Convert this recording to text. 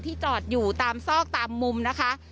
จอดอยู่ตามซอกตามมุมนะคะ